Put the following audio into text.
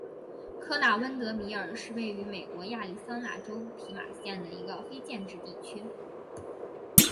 科纳温德米尔是位于美国亚利桑那州皮马县的一个非建制地区。